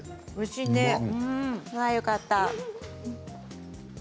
うわあ、よかった。